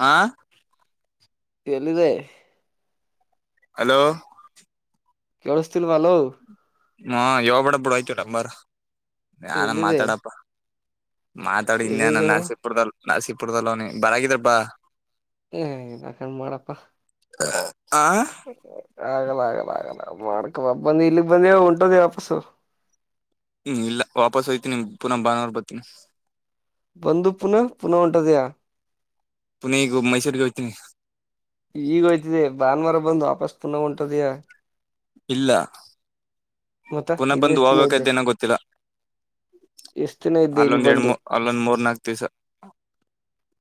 ಆ ಎಲ್ಲಿದೆ ಹಲೋ ಕೇಳಸ್ ತಿ ಭಲ ಹ್ಮ ಯಾವ ಬಡ ಬಿುಡ ಆಯ್ತುಂಬರ್ ನಾನ ಎಲ್ಲಿದೆ ಮಾತಾಡಪ್ಪ ಮಾತಾಡಿ ಇನ್ಯಾನ ಎಲ್ಲಿದೆವ ನರಸೀಪುರ್ದಲ್ ನಾಸಸೀಪುರ್ದಲ್ಲ ಅವನಿ ಬರಗಿದ್ರಬಾ ಹ ಏನಕಂಡ್ ಮಾಡಪ್ಪಾ ಆ ಆಗಲ್ಲ ಆಗಲ್ಲ ಆಗಲ್ಲ ಮಾಡ್ಕೊ ಬ ಬಂದ ಇಲ್ಲಿಗ್ ಬಂದ ಉಂಟೋದ ವಾಪಸ್ಸು ಹ್ಮ್ ಇಲ್ಲ ವಾಪಾಸ್ ಹೋಯ್ತಿನಿ, ಪುನ ಭಾನುವಾರ್ ಬರ್ತೀನಿ. ಬಂದು ಪುನಃ ಪುನಃ ಹೊಂಟೊದೆಯಾ ಪುನ ಈಗ ಮೈಸೂರ್ಗೆ ಹೋಯ್ತಿನಿ ಈಗ್ ಹೊಯ್ತಿದಿ ಭಾನ್ವಾರ ಬಂದ್ ವಾಪಾಸ್ ಹೊಂಟೊದಿಯಾ ಇಲ್ಲ, ಮತ್ತ ಪುನಃ ಇಲ್ಲಿ ಬಂದ್ ಎಷ್ಟ್ ದಿನ ಇದ್ದೆ ಹೋಗ್ಬೇಕೈತೆನೋ ಗೊತ್ತಿಲ್ಲ ಎಷ್ಟ್ ದಿನ ಇದ್ದೆ ಇಲ್ಲಿ ಅಲ್ಲೊಂದ್ ಬಂದು ಎಡ್ಮು, ಅಲ್ಲೊಂದ್ ಮೂರ್ ನಾಕ್ ದಿವ್ಸ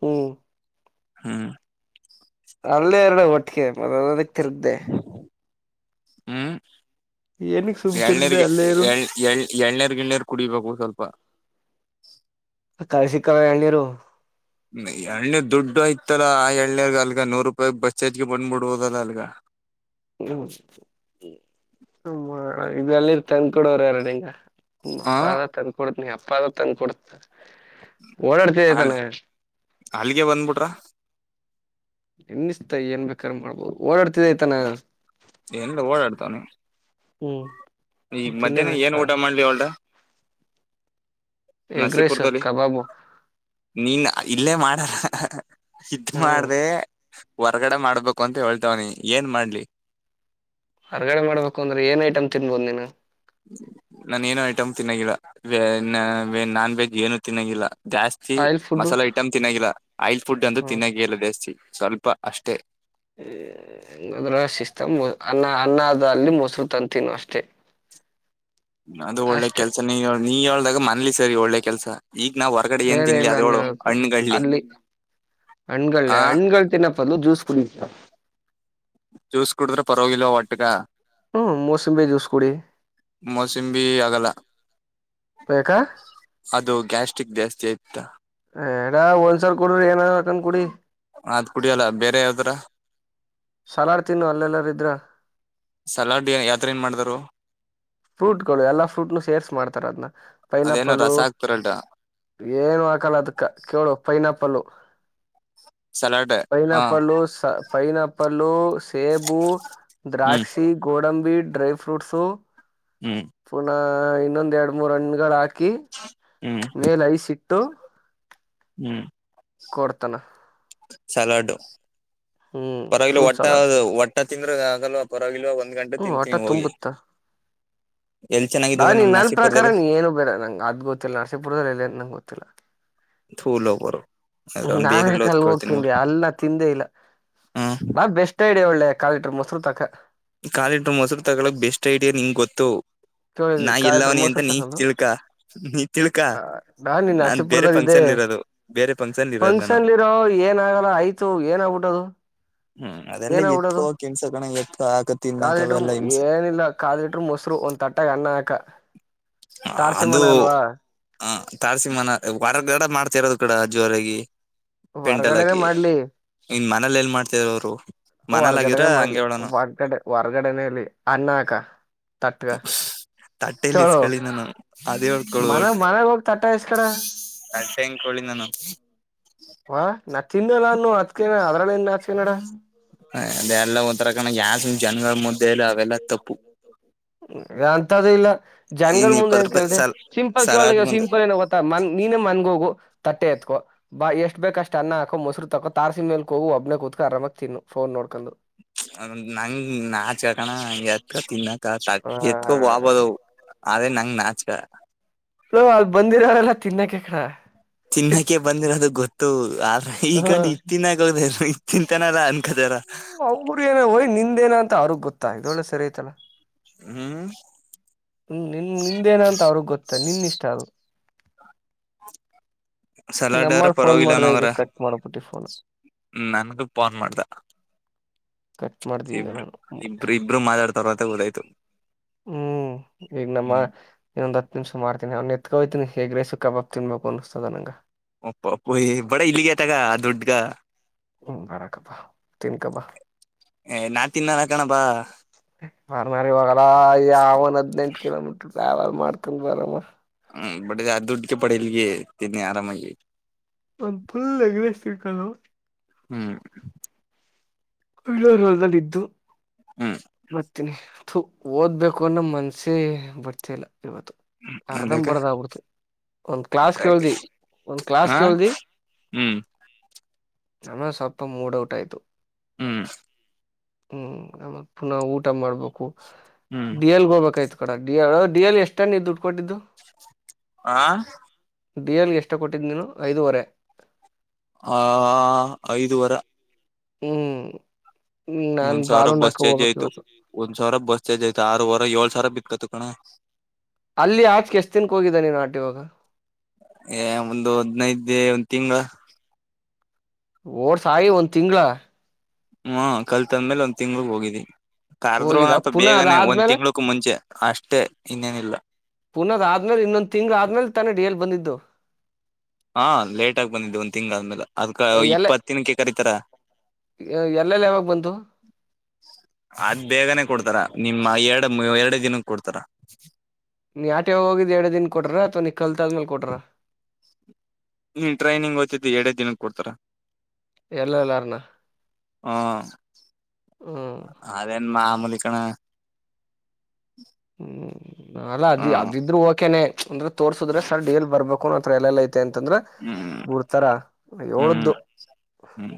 ಹು ಹ್ಮ್ ಅಲ್ಲೇ ಎರ್ಡು ಒಟ್ಗೆ ಮದದಕ್ ತಿರ್ಗ್ದೆ ಹ್ಮ್ ಏನಕ್ ಸುಮ್ ತಿರ್ಗ್ದೆ ಎಳ್ನೀರ್ಗೆ, ಅಲ್ಲೇ ಇರು ಎಳ್ ಎಳ್ ಎಳ್ನಿರ್ ಗಿಳ್ನಿರ್ ಕುಡಿಬೇಕು ಸ್ವಲ್ಪ ಕಾಯ್ ಸಿಕ್ಕವ್ವ ಎಳ್ನೀರು ಎಳ್ನೀರ್ ದುಡ್ ಓಯ್ತದ, ಆ ಎಳ್ನೀರ್ಗ್ ಅಲ್ಗ ನೂರು ರೂಪಾಯಿ ಬಸ್ ಚಾರ್ಜ್ಗೆ ಬಂದ್ಬಿಡ್ದಲ್ಲ ಅಲ್ಗ ಹ್ಮ್ ಇದಲ್ಲಿರ್ ತಂದ್ ಕೊಡೋರ್ ಯಾರ್ ಅಲ್ಲಿಂದ ಹ ಅಪ್ಪ ಅದ ತಂದ್ ಕೊಡ್ತಿನೀ, ಅಪ್ಪ ಅದ ತಂದ್ ಕೊಡ್ತ್ ಓಡಾಡ್ತಿಯ ಅಲ್ ತನೇ ಅಲ್ಲಿಗೆ ಬಂದ್ಬಿಟ್ರ ನಿನ್ನಿಸ್ಟ ಏನ್ ಬೇಕಾದ್ರು ಮಾಡ್ಬೋದು, ಓಡಾಡ್ತ ಏನ್ ಇಲ್ಲ ಓಡಾಡ್ತವ್ನಿ ಹ್ಮ್ ಈಗ್ ತಿನ್ನೇನ ಮಧ್ಯಾಹ್ನ ಏನ್ ಊಟ ಮಾಡ್ಲಿ ಅವ್ಲ್ಡ ಎಗ್ ರೈಸ್ ನಸೀಪುರ್ದಲ್ಲಿ ಕಬಾಬು ನೀನ ಇಲ್ಲೇ ಮಾಡ, ಆ ಆ ಇತ್ ಹ್ಮ್ ಮಾಡ್ದೆ ಹೊರ್ಗಡೆ ಮಾಡ್ಬೇಕು ಅಂತ ಹೇಳ್ತವ್ನಿ, ಏನ್ ಮಾಡ್ಲಿ ಹೊರ್ಗಡೆ ಮಾಡ್ಬೇಕು ಅಂದ್ರೆ ಏನ್ ಐಟಮ್ ತಿನ್ಬೋದ್ ನೀನು ನಾನ ಏನು ಐಟಮ್ ತಿನ್ನನ್ಗಿಲ್ಲ, ವೆ ನಾ ನಾನ್ ವೆಜ್ ಏನು ತಿನ್ನನ್ಗಿಲ್ಲ ಜಾಸ್ತಿ ಆಯಿಲ್ ಫುಡ್ ಮಸಾಲೆ ಐಟಮ್ ತಿನ್ನನ್ಗಿಲ್ಲ, ಆಯಿಲ್ ಫುಡ್ ಅಂತೂ ಹ್ಮ್ ತಿನ್ನನ್ಗೆ ಇಲ್ಲ ಜಾಸ್ತಿ, ಸ್ವಲ್ಪ ಅಷ್ಟೇ ಹ್ಮ ಅದ್ರ ಸಿಸ್ಟಮ್ ಅನ್ನ ಅನ್ನದ ಅಲ್ಲಿ ಮೊಸ್ರು ತಂದ್ ತಿನ್ನು ಅಷ್ಟೆ ಅದು ಒಳ್ಳೆ ಕೆಲ್ಸ ನೀ ಹೇಳ್, ನೀ ಹೇಳ್ದಾಗ ಮನ್ಲಿ ಸೆರಿ ಒಳ್ಳೆ ಕೆಲ್ಸ ಈಗ ನಾವ್ ಹೊರಗಡೆ ಏನ್ ಬೇರೆ ತಿನ್ಲಿ ಎಲ್ಲ ಅನ್ನ ಅದೇಳು ಹೇಳ್ತದೆ, ಹಣ್ಣುಗಳ್ಲಿ ಅಲ್ಲಿ ಹಣ್ಗಳೆ ಆ ಹಣ್ಗಳ್ ತಿನ್ನ ಬದ್ಲು ಜ್ಯೂಸ್ ಕುಡಿ ಜ್ಯೂಸ್ ಕುಡ್ದ್ರ ಪರ್ವಾಗಿಲ್ಲ ಹೊಟ್ಟಿಕ ಹ್ಮ್ ಮೂಸಂಬಿ ಜೂಸ್ ಕುಡಿ ಮೋಸಂಬಿ ಆಗಲ್ಲ ಬೇಕ ಅದು ಗ್ಯಾಸ್ಟ್ರಿಕ್ ಜಾಸ್ತಿ ಆಯ್ತದ ಎಡ ಒಂದ್ಸಲ ಕುಡ್ರಿ ಏನಾರ ಹಾಕೊಂಡ್ ಕುಡಿ ಅದ್ ಕುಡಿಯಲ್ಲ ಬೇರೆ ಯಾವ್ದರ ಸಲಾಡ್ ತಿನ್ನು ಅಲ್ಲೆಲ್ಲಾದ್ರೂ ಇದ್ರ ಸಲಾಡ್ ಏನ್ ಯಾವ್ದ್ರಿಂದ ಮಾಡ್ದಾರು ಫ್ರೂಟ್ಗಳು ಅದೇನೋ ಪೈನಾಪಲ್ಲು, ರಸ ಹಾಕ್ತಾರಲ್ರ ಏನು ಹಾಕಲ್ಲ ಅದಕ್ಕ ಕೇಳು ಪೈನಾಪಲ್ಲು ಸಲಾಡ್ ಹ ಪೈನಾಪಲ್ಲು ಸ ಪೈನಾಪಲ್ಲು ಸ್ ಸೇಬು, ಹ್ಮ್ ದ್ರಾಕ್ಷಿ, ಗೋಡಂಬಿ, ಡ್ರೈ ಫ್ರೂಟ್ಸು ಹ್ಮ್ ಪುನಃ ಇನ್ನೊಂದ್ ಎರಡ್ ಮೂರ್ ಹಣ್ಗಳ್ ಹಾಕಿ ಹ್ಮ್ ಮೇಲ್ ಐಸಿಟ್ಟು ಹ್ಮ್ ಕೊಡ್ತನ ಸಲಾಡ್ಡು ಪರ್ವಾಗಿಲ್ ಫ್ರೂಟ್ ಒಟ್ಟ ಸಲಾಡ್ ಒಟ್ಟ ತಿಂದ್ರ ಆಗಲ್ವ, ಪರ್ವಾಗಿಲ್ವ ಒಂದ್ ಗಂಟೆ ಹ್ಮ್ ಹೊಟ್ಟ ತಿಂತೀನಿ ಹೋಗಿ ಎಲ್ ಚೆನ್ನಾಗಿದ್ದದ ಡಾನಿ ನಮ್ ನನ್ ಪ್ರಕಾರ ನಸೀಪುರದಲ್ಲಿ ನೀ ಏನು ಬೇಡ ನಂಗ್ ಅದ್ ಗೊತ್ತಿಲ್ಲ ನರ್ಸಿಪುರ್ದಗ್ ಎಲ್ಲಿ ಅಂತ್ ನಂಗ ಗೊತ್ತಿಲ್ಲ ತೂ ಲೋಪರು ನಾ ಯಾಕ್ ಅಲ್ಲಿಗ್ ಹೋಗ್ ತಿನ್ಲಿ, ಅಲ್ ನಾ ತಿಂದೇ ಇಲ್ಲ, ಹ್ಮ್ ಬಾ ಬೆಸ್ಟ್ ಒಳ್ಳೆ ಕಾಲಿಟರ್ ಮೊಸರುತಾ ಈ ಕಾಲೇಡ್ ಮೊಸರು ತಗೊಳಕ್ ಬೆಸ್ಟ್ ಐಡಿಯಾ ನಿಂಗ್ ಗೊತ್ತು ಕೇಳ ನಾ ಕಾಲ್ ಲೀಟರ್ ಎಲ್ಲವನಿ ಅಂತ ಮೊಸರು ನೀ ತಕೊಂಡು ತಿಳ್ಕ ನೀ ತಿಳ್ಕ ನಾನ್ ಬೇರೆ ಪಂಕ್ ಅದೇ ಫಂಕ್ಷನ್ಲಿ ಇರೋ ಏನ ಆಾಗಲ್ಲ ಆಯ್ತು ಏನ ಆಗ್ಬಿಟ್ಟದು ಹ್ಮ್ ಅದೆಲ್ಲ ಎತ್ಕೋ ಕೆನ್ಸ ಕಣ ಎತ್ ಕಾದ್ಲಿಟರು ಏನಿಲ್ಲ ಕಾದ್ಲಿಟ್ರು ಮೊಸರು ಒಂದ್ ತಟ್ಟಗ ಅನ್ನ ಹಾಕ ತಾರ್ಸಿಮನ ಅದು ಅಲ್ವಾ ಹ ತಾರ್ಸಿಂಗ ಮನ ಹೊರಗಡೆ ಮಾಡ್ತಿರೋದು ಕೂಡ ಜೋರಾಗಿ ಪೆಂಟಲ್ ಹೊರಗಡೆನೆೇ ಹಾಕಿ ಮಾಡ್ಲಿ ಇನ್ ಮನೇಲಿ ಎಲ್ ಮಾಡ್ತರ ಅವರು ಮನೇಲಾಗಿದ್ರ ಹೊರ್ಗಡೆನೆ ಹಂಗೆ ಮಾಡ್ಲಿ ಹೇಳೋನು ಹೊರ್ಗಡೆ ಹೊರ್ಗಡನೆೆಯಲ್ಲಿ ಅಣನ್ನ ಅಕ ತಟ್ಗ ತಟ್ಟೆೆಯಲ್ಲಿ ಚಲೋ ಇಸ್ಕಳಿ ನಾನು ಅದೇ ಹೊಡ್ಕೊಳ್ಳುದು ಒ ತಟ್ಟಾಸ್ ಕಡ ಕಲ್ಸ ಹೆಂ ಕಳಿ ನಾನು ಹಾ ನಾ ತಿನ್ನಲ್ಲ ನಾನು ಹಚ್ಕನ ಅದ್ರಲ್ಲ ಇನ್ ಹಚ್ಕನಡ ಹ ಅದೆ ಎಲ್ಲ ಒಥರ ಕಣ ಯಾಸ್ ಜನಗಳ ಮುದ್ದೆಲ್ಲ ಅವೆಲ್ಲ ತಪ್ಪು ಅಂತದ ಇಲ್ಲ ಜನ್ಗಳ ಇನ್ ಮುಂದೆ ಇಪ್ಪತ್ ಏನ್ ರೂಪಾಯಿ ಕೇಳ್ರೆ ಸಾಲ್ ಸಿಂಪಲ್ ಸಲಾಡ್ ಕೇಳ ಬಂದು ಸಿಂಪಲ್ ಏ ಗೊತ್ತಾ ಮನ್ ನೀನೇ ಮನ್ಗ ಹೋಗು ತಟ್ಟೆ ಎತ್ಕೊ ಬಾ ಎಷ್ಟ ಬೇಕಷ್ಟ ಅನ್ನ ಹಾಕೋ ಮೊರುಾಕೋ ತಾರಸಿ ಮೇಲ್ ಹೋಗಿ ಒಬ್ನೇ ಕುೂಕ ಆರಾಮಾಗಿ ತಿನ್ನು ಫೋನ್ ನೋ ಕೊಡ್ಕೊಂಡು ನಂಂಗ್ ನಾಚಕಣ ಹಂಗಗೆ ಅತ್ ತಿನ್ನ ಹ ಎತ್ಕೋ ಬಬದು ಅದೇ ನಂಗ ನಾಚಕ ಹ ಅಲ್ಲಿ ಬಂದಿರವರೆಲ್ಲ ತಿನ್ನಕಕಡ ತಿನ್ನಕ್ಕೆೆ ಬಂದಿರೋದು ಗೊತ್ತು ಆದ್ರ ಈ ಹ ಕಂಡ್ ಇ ತಿನ್ನಾಕದ ಚಿಂತನಾರ ಅನ್ಕದಾರ ಅವ್ರರು ಏನ ಹೋಯ್ ನಿಂದೇನ ಅಂತ ಅವ್ರಗ್ ಗೊತ್ತಾ ಇದ ಒಳ್ಳೆ ಸರಿ ಯ್ತಲ್ಲಾ ಹ್ಮ್ ಹ ನಿನ್ ನಿಂದೇನ ಅಂತ ಅವ್ರಗ್ ಗೊತ್ತ ನಿನ್ ಇಷ್ಟ ಅಲ್ ಸಲಾಡ್ ನಮ್ಮ ಆದ್ರ ಫೋನ್ ಪರವಾಗಿಲ್ಲ ಮಾಡ್ದ ನ ಅವರ ಈಗ ಕಟ್ ಮಾಡ್ಬಿಟ್ಟಿ ಫೋನ್ ನನ್ಗು ಫೋನ್ ಮಾಡ್ದ ಕಟ್ ಮಾಡ್ದಿ ಈಗ ಇಬ್ರು ನಾನು ಇಬ್ರು ಇಬ್ರು ಮಾತಾಡ್ತಾರ ಅಂತ ಓದಾಯ್ತು ಹ್ಮ್ ಈಗ ನಮ್ಮ ಹ್ಮ್ ಇನ್ನೊಂದ್ ಹತ್ತು ನಿಮಿಷ ಮಾಡ್ತೀನಿ ಅವ ಕತ್ಕೋತನಿ ಹೇಗೇ ಸುಕ್ಕ ಬಾಪ್ ತಿನ್ಬೇಕು ಅನ್ಸತದ ನನಂಗ ಅಪ್ಪ ಅಪ್ಪುಯ ಬಡ ಇಲ್ಲಿಗ ತಗ ದುಡ್ಗ ಹ್ಮ ಬಾರ ಕಪ್ಪ ತನ್ ಕಪ ನಾ ತಿನ್ನಲ್ಲ ಕಣ ಬಾ ಮಾರ ಮಾರ ಒಲ ಯಾವನ್ ಹದಿನಂಟು ಕಿಲೋಮೀಟರ್ ಯಾವ ಮಾಡ್ತ ಬರಮ್ಮ ಹ್ಮ್ ಬಡ ದುಡ್ಕ ಪಡಲಿಗೆ ತಿನ್ನಿ ಆರಾಮಾಗಿ ಒಂದು ಫುಲ್ ಎಗ್ರಸ್ ಸಿರ್ಕವು ಹ್ಮ್ ಇಳೂಲ್ದಲ್ಲಿ ಇದಿದ್ದು ಹ್ಮ್ ಮರ್ತೀನಿ ಓದ್ಬೇಕು ಅನ್ನೋ ಮನ್ಸಿ ಬರ್ತಿಲ್ಲ ಇವತ್ತು ಅರ್ಧಮ ಅದಕ್ಕ ಬರ್ದ ಆಗ್ಬಿಡ್ತ ಒಂದ್ ಕ್ಲಾಸ್ ಕೇಳ್ದಿ ಒಂದ್ ಕ್ಲಾಸ್ ಹ ಕೇಳ್ದಿ ಹ್ಮ್ ನಮ್ಮ ಸ್ವಲ್ಪ ಮೂಡ್ ಔಟ್ ಆಯ್ತು ಹ್ಮ್ ಹ್ಮ್ ಆತ್ ಪುನಃ ಊಟ ಮಾಡ್ಬೇಕು ಹ್ಮ್ ಡ ಎಲ್ಗೆ ಹೋಗ್ಬೇಕಾಯ್ತು ಕಡ ಡಿ ಎ ಡಿ ಎಲ್ ಎಷ್ಟಣ ದುಡ್ಡು ಕೊಟ್ಟಿದ್ದು ಆ ಡಿ ಎನ್ಗೆ ಎಷ್ಟು ಕೊಟ್ಟಿದ್ದ ನೀನು ಐದುವರೆ ಹ ಐದುವರ ಹ್ಮ್ ನಾನ್ ಒಂದ್ ಸಾವಿರ ಬಸ್ ಬಾಲುನಾಕ ಚಾರ್ಜ್ ಹೋಗ್ಬೇಕಕ್ ಆಯ್ತು ಇವತ್ತು ಒಂದ್ ಸಾವಿರ ಬಸ್ ಚಾರ್ಜ್ ಆಯ್ತು ಆರೂವರೆ ಏಳ್ ಸಾವಿರ ಕತ್ಕಣ ಅಲ್ಲಿ ಆಚಕೆ ಎಷ್ಟ್ ದಿನಕ ಹೋಗಿದ್ದ ನೀನ್ ನಟ ಇವಾಗ ಏ ಒಂದು ಹದ್ನೈದು ಒಂದ್ ತಿಂಗಳ ಓಡ್ಸಾಯಿ ಒಂದ್ ತಿಂಗಗಳ ಹ್ಮ ಕಲ್ತಂದ್ಮೇಲೆ ಒಂದ್ ತಿಂಗ್ಳಗ್ ಹೋಗಿದಿವಿ ಹೋಗಿದ ಕಾರದ್ರುನಪ ಪುನಃ ಬೇಗನೆ ಒಂದ್ ಅದಾದ್ಮೇಲೆ ತಿಂಗ್ಳಕ್ ಮುಂಚೆ ಅಷ್ಟೇ ಇನ್ನೇನಿಲ್ಲ ಪುನಃ ಆದ್ಮೇಲೆ ಇನ್ನೊಂದ್ ತಿಂಗ್ಳ ಆದ್ಮೇಲೆ ತಾನಡಿಿಯಲ್ಲಿ ಬಂದಿದ್ದು ಹಾ ಲೇಟ್ ಆಗ ಬಂದಿದ್ದೆ ಒಂದ್ ತಿಂಗ್ ಆದ್ಮೇಲೆ ಅದ್ಕ ಎಲ್ಲ ಇಪ್ಪತ್ತ ದಿನಕ್ಕೆ ಕರೀತಾರ ಎಲ್ ಎಲ್ ಯಾವಾಗ ಬಂತು ಅದ್ ಬೇಗನೆ ಕೊಡ್ತಾರ ನಿಮ್ಮ ಎರಡು ಎರಡು ದಿನಕ್ಕೆ ಕೊಡ್ತಾರ ನೀ ಆಟೆ ಹೋಗಿದ್ದ್ ಎರಡು ದಿನ ಕೊಟ್ರ ಅಥ್ವಾ ನೀ ಕಲ್ತಾದ್ಮೇಲ್ ಕೊಟ್ರ ನೀ ಟ್ರೈನಿಂಗ್ ಓ್ತದ್ದು ಎರಡೇ ದಿನಕ್ಕೆ ಕೊಡ್ತಾರಾ ಎಲ್ಲ ಎಲ್ಲಾರಣ ಹ ಅದೇನ್ ಮಾಮೂಲಿಕಣ ಹ್ಮ್ ನಲ್ಲ ಅದ ಅದಿದ್ರು ಓಕೆನೆ ಅಂದ್ರೆ ತೋರ್ಸುದ್ರೆ ಸರ್ ಡಿಎಲ್ ಬರ್ಬೇಕು ಹಾಕೋೊಂಡ ಹತ್ರ ಎಲ್ಲೆಲ್ಲ ಐತೆ ಅಂತಂದ್ರ ಹ್ಮ್ ಬಿಡ್ತಾರಾ ಹ್ಮ್ ಏಳ್ದು ಹ್ಮ್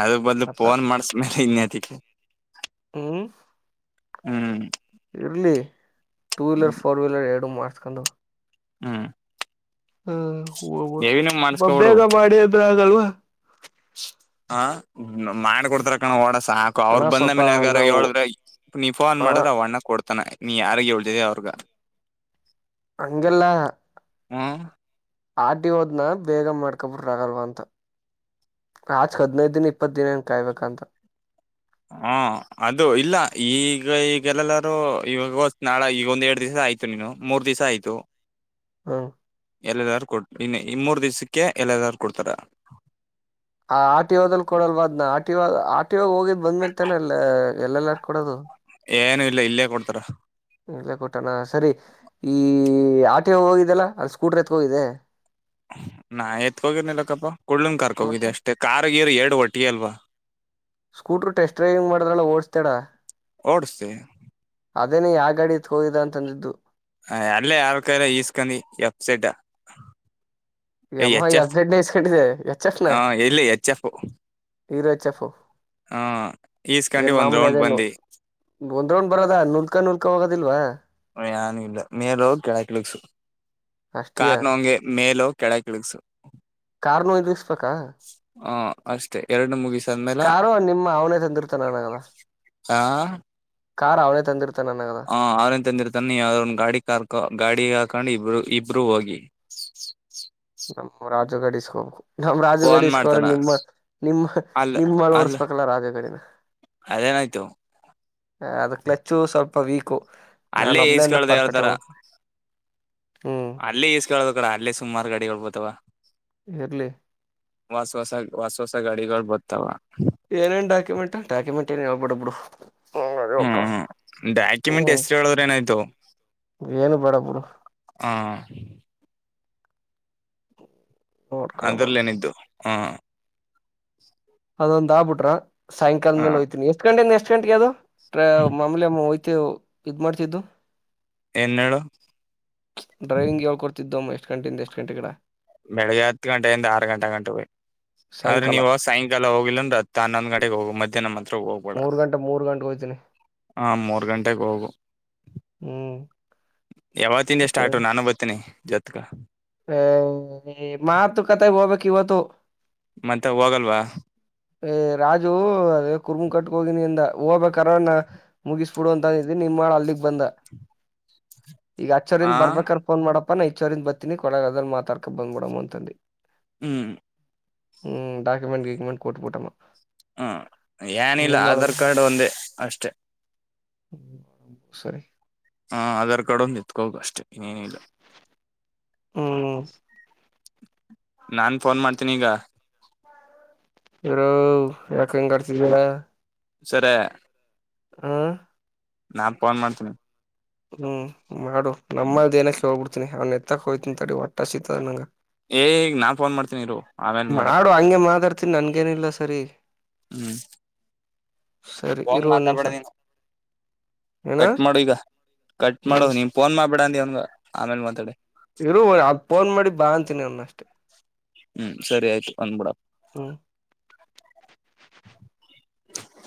ಅದ ಬದಲು ಫೋನ್ ಮಾಡಸ್ಮೇಲೆ ಇನ್ಯತಿಕ್ಕೆ ಹ್ಮ್ ಹ್ಮ್ ಇರ್ಲಿ ಟೂ ವೀಲರ್ ಹ್ಮ್ ಫೋರ್ ವೀಲರ್ ಎರಡು ಮಾಡಾರ್ಸ್ಕೊಂಡು ಹ್ಮ್ ಹೂ ಹೆವಿ ನೂ ಹ್ಮ ಮಾಡ್ಕೋಬಿಡ್ ಬೇಗ ಮಾಡಿ ಅಂದ್ರೆ ಆಗಲ್ವಾ ಹಾ ಮಾಡಿ ಕೊಡ್ತಾರ ಕಣ ಓಡ ಸಾಕು ಅಣ ಅವ್ರರು ಬಂದ ಸ್ವಲ್ಪ ಮೇಲೆ ಯಾರ ನಾವು ಹೇಳ್ರ ನೀವು ಫೋನ್ ಅಣ ಮಾಡಿದ್ರೆ ಅವ ಅಣ್ಣ ಕೊಡ್ತ ತಾನ ನೀ ಯಾರಿಗೆ ಹಳ್ತಿದೆ ಅವ್ರಗ ಅಂಗಲ್ಲ ಹ್ಮ್ ಆರ್ ಟಿ ಓದ್ನ ಬೇಗ ಮಾಡ್ಕೊಬಿಟ್ರಗಲ್ವಾ ಅಂತ ಆಚ್ಕ್ ಹದ್ಿನೈದು ದಿನ ಇಪ್ಪತ್ತು ದಿನಏನ ಕಾಯ್ಬೇಕಂತ ಹ ಅದು ಇಲ್ಲ ಈಗ ಈಗಲ್ಲಲ್ಲಾರೂ ಈವಾಗ ನಾಳೆ ಈಗ ಒಂದ್ ಎರಡ್ ದಿವಸ ಆಯ್ತು ನೀನು ಮೂರ್ ದಿವ್ ಆಯ್ತು ಹಾ ಎಲ್ಲದಾರು ಕೊ ಇನ್ನು ಇ ಮೂರ್ ದಿವ್ಸಕ್ಕೆ ಎಲ್ ಎಲ್ ಆದರೂ ಕೊಡ್ತಾರ ಆ ಆಟಿಯೋಲ್ ಕೊಡಲ್ವಾದ್ನ ಆಟಿಯೋ ಆಟಿಯೋ ಹೋಗಿದ್ ಬಂದ್್ಮೇಲ್ತೇನೆಲ್ಲ ಎಲ್ಲೆಲ್ಲಾರ್ ಕೊಡೋದು ಏನು ಇಲ್ಲ ಇಲ್ಲೇ ಕೊಡ್ತಾರ ಇಲ್ಲ ಕೊಟ್ಟಣ ಸರಿ ಈ ಆರ್ ಟಿ ಓ ಹೋಗಿದ್ದಲ್ಲ ಅದು ಸ್ಕೂಟ್ರ ಎತ್ತಿಹೋಗಿದೆೆ ನಾ ಎತ್ ಹೋಗಿರ್ನಲಕ್ಕಪ್ಪ ಕುಲನ ಕರ್ಕೊಂಡು ಮತ್ತ ಹೋಗಿದ್ದಿ ಅಷ್ಟೇ ಕಾರಾರ್ ನೀರ್ ಎರಡು ಒಟ್ಟಿ ಅಲ್ವಾ ಸ್ಕೂಟರು ಟೆಸ್ಟ್ ಡ್ರೈವಿಂಗ್ ಮಾಡಿದ್ರಲ್ಲ ಓಡಸ್ತೇಡ ಓಡಸ್ತಿ ಅದೇನ ಯಾವ ಗಾಡಿ ಎತ್ತ್ ಹೋಗಿದ ಅಂತಂದಿದ್ದು ಹ ಅಲ್ಲೇ ಯಾರ್ ಕೈ ಈಸ್ಕೊಂಡಿ ಎಫ್ ಜಡ್ ಈ ಯಮ್ಮ ಈ ಎಫ್ ಜಡ್ ಇಸ್ಕೊಂಡಿದೆ ಎಚ್ಚಫ್ ನಾ ಹ ಎಲ್ಲಿ ಎಚ್ ಎಫ್ ಇರು ಹೆಚ್ ಎಫ್ ಹಾ ಈಸ್ಕಂಡು ಒಂದ್ ರೌಂಡ್ ಬಂದಿ ಒಂದ್್ರೋೊಂಡ್ ಬರೋದ ನುಲ್ಕಾ ನುಲ್ಕ ಹೋಗೋದಿಲ್ವಾ ಾನಲ್ಲ ಮೇಲ ಹೋಗಿ ಕೆಳಕಿಳಕ್ಸು ಅಷ್ಟೀಯ ಕಾರು ನಾ ಹಂಗೆ ಮೇಲ ಹೋಗಿ ಕೆಳಗಿಳಿಸೂ ಕಾರ್ ನು ಇಳಿಸಬೇಕಾ ಹ ಅಷ್ಟೇ ಎರಡಡು ಮುಗಿಸಿಸಿ ಕಾರಾರ್ು ನಿಮ್ಮ ಅವನೇ ತಂದಿರ್ತಾನನಗದ ಆ ಕಾರಾರ್ ಅವ್ನೇ ತಂದಿರ್ತ ಹ ಅವರನ್ ತಂದಿರ್ತಾನ ಒಂದ ಗಾಡಿ ಕಾರ್ ಗಾಡಿ ಕಂಡು ಇಬ್ರು ಇಬ್ರುೂ ಹೋಗಿ ನಮ್ಮ್ ರಾಜು ಡಿಸ್ಕೋಬೇಕು ನಮ್ಮ್ ರಾಜು ಫೋನ್ ಗಡಸ್ಕೋ್ರೆ ಮಾಡ್ತಾನ ನಿಮ್ಮ ನಿಮ್ಮ ಅಲ್ ನಿಮ್ಮ ಅಲ್ ನೋಡ್ಸ್ ಸಕಲ ರಾಜಾ ಕಡಿಿನ ಅದೇನಾಯ್ತು ಹ ಅದು ಕ್ಲಚ್ಚು ಸ್ವಲ್ಪ ವೀಕು ನಾನ್ ಅಲ್ಲೇ ಒಬ್ನೇ ಅಂದ ಈಸ್ಕಳ್ದ ಪರ್ಫೆಕ್ಟ್ ಯಾರತರ ಆಗ ಹ್ಮ್ ಅಲ್ಲೇ ಈಸ್ಕಳದ ಕಡ ಅಲ್ಲೇ ಸುಮಾರು ಗಾಡಿ ಹಳ್ಬೋತವ ಎರ್ಲಿ ವಾಸ ಹೊಸ ವಾಸ ಹೊಸ ಗಾಡಿಗಳು ಬತ್ತಾವ ಏನೇನ್ ಡಾಕುೆಂಟ್ ಡಾಕುೆಂಟ್ ಏನ್ೇಳ್ಬ ಬಿಡ ಬಿಡು ಅದೇ ಹ್ಮ್ ಹೋಗ್ಕಳ ಹ್ಮ ಡಾಕ್ಯುಮೆಂಟ್ ಹ್ಮ್ ಎಷ್ಟರು ಹೇಳದ್ರ ಏನಾಯ್ತು ಏನು ಬೇಡಬರು ಹ ನೋಡ್ಕೊಳಮ್ಮ ಅದ್ರಲ್ಲೇನಿದ್ದು ಹಾ ಅದೊಂದ ಆಗ್ಬ ಬಿಟ್ರ ಸಾಯಂಕಾಲ ಮೇಲೆ ಹ ಹೋ್ತಿನನ ಎಷ್ಟ ಗಂಟೆಯಿಂದ ಎಷ್ಟ್ ಗಂಟೆಗೆ ಅಾವದು ಟ್ರ ಮಾಮೂಲಿಮ್ಮ ಹಯ್ತ ಇದ್ ಮಾಡ್ತಿದ್ದು ಏನ್ ಹೇಳು ಡ್ರೈವಿಂಗ್ ಹೇಳ್ಕೊಡ್ತಿದ್ದಮ್ಮ ಎಷ್ಟ್ ಗಂಟೆಯಿಂದ ಎಷ್ಟ್ ಗಂಟೆ ಕಿಡ ಬೆಳಿಗ್ಗೆ ಹತ್ತು ಗಂಟೆಯಿಂದ ಆರು ಗಂಟೆ ಗಂಟೆ ಹ ಆದ್ರೆ ಸಾಯಂಕಾಲ ನೀವು ಸಾಯಂಕಾಲ ಹೋಗಿಿಲ್ಲಂದ ಹನ್ನೊಂದು ಗಟೆಗೆ ಹೋಗ ಮಧಹ್ನ್ ಹೋಗ್ಬೇಡ ಮೂರ್ ಗಂಟೆ ಮೂರ್ ಗಂಟೆಗೆ ಹೋಯ್ತೀನಿ ಹ ಮೂರ್ ಗಂಟೆೆಗೆ ಹೋಗು ಹ್ಮ್ ಯಾವ ತಿಿಂದ ಸ್ಟಾರ್ಟ್ ನಾನು ಬತೀಿನಿ ಜೊತ್ಕ ಹ ಮಾತ ಕಥ ಹೋಗ್ಬೇಕ ಇವತ್ತು ಮತ್ತೆ ಹೋಗಲ್ವಾ ಏ್ ರಾಜು ಅದೇ ಕುರ್ಮು ಕಟ್ ಹೋಗಿನಿ ಅಂದ ಹೋಗ್ಾರ ನ ಮುಗಿಸ್ಬಿಡು ಅಂತಂದಿದಿ ನಿಮ್ ಅಲ್ಲಿಗ್ ಬಂದ ಈಗ ಆ ಆಚ್ಚೋರಿಂದ ಬರ್ಬೇಕ್ರ ೋನ್ ಮಾಡಪ್ಪ ನಾ ಈಚ್ಚೋರಿಂದ ಬರ್ತಿನಿ ಕೊ ಒಳಗ ಅದ್ರ ಮಾತಾಡ್ಕ ಬಂದ್ಬಡಮ್ಮ ಅಂತಂದಂದು ಹ್ಮ್ ಹ್ಮ್ ಡಾಕುಮೆಂಟ್ ವಕುಮೆಂಟ್ ಕೊಟ್ಟುಬಟ್ಟೋಮ್ಮ ಹ್ಮ ಏನಿಲ್ಲ ಆಧಾರ್ ಕಾರ್ಡ್ ಒಂದೇ ಅಷ್ಟೆ ಹ ಸರಿ ಹ ಆಧಾರ್ ಕಾರ್ಡ್ ಒಂದ ನಿತ್ಕೋಗ ಅಷ್ಟೇ ಇನ್ನೇನಿಲ್ಲ ಹ್ಮ್ ನಾನ್ ಫೋನ್ ಮಾಡ್ತೀನಿ ಈಗ ಇೋ ಯಾಕಂಗ ಕತಿದ ಸರಿ ಆ ನಾನ್ ಫೋನ್ ಮಾಡ್ತೇನಿ ಹ್ಮ್ ಮಾಡು ನಮ್ಮಲ್ ಏನಕ್ಕೆ ಹೋಗ್ಬಿಡ್ತಿನಿ ಅವ್ ಎತ್ತಕ್ ಹಯ್ತನ್ ತಡಿ ಒಟ್ಟ ಸತದ ನಂಗ ಏ್ ಈಗ ನಾನ್ ಫೋನ್ ಮಾಡ್ತೀನಿ ಇರು ಆಮೇಲ್ ಮಾಡ ಮಾಡಾಡು ಹಂಗೆ ಮಾತಾಡ್ತನಿ ನನ್ಗೇನಿಲ್ಲ ಸರಿ ಹ್ಮ್ ಸರಿ ಫೋನ್ ಇರುವ ನಿಮ್ಷ ಮಾತಾಡ್ಬೇಡ ನೀನು ಕಟ್ ಮಾಡು ಈಗ ಕಟ್ ಮಾಡು ಹ್ಮ್ ನೀಮ ಫೋನ್ ಮಾಡ್ಬಿಡ ಅಂದ ಅವನ್ಗ ಆಮೇಲ್ ಮಾತಾಡಿ ಇರು ಅದ ಫೋನ್ ಮಾಡಿ ಬಾ ಅಂತೀನಿ ನಂದಷ್ಟೇ ಹ್ಮ್ ಸರಿ ಆಯ್ತು ಬಂದ್ಬಿಡ ಹ್ಮ್